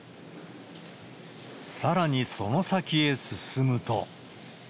さらにその先へ進むと。